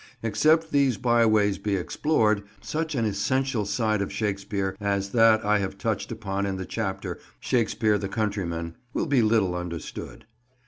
Except these byways be explored, such an essential side of Shakespeare as that I have touched upon in the chapter "Shakespeare the Countryman" will be little understood.